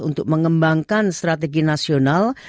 untuk mengembangkan strategi nasional